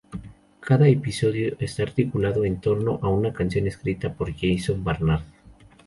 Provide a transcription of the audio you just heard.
Cada episodio está articulado en torno a una canción escrita por Jason Barnard.